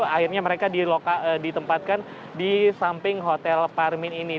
akhirnya mereka ditempatkan di samping hotel parmin ini